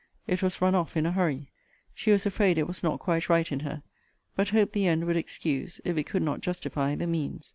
It was run off in a hurry. She was afraid it was not quite right in her. But hoped the end would excuse (if it could not justify) the means.